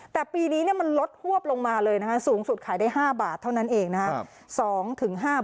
แต่ปีนี้มันลดฮวบลงมาเลยนะคะสูงสุดขายได้๕บาทเท่านั้นเองนะครับ